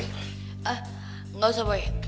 eh gak usah boy